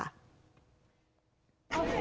มาเดินมา